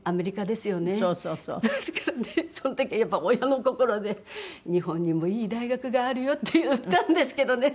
ですからねその時やっぱり親の心で「日本にもいい大学があるよ」って言ったんですけどね。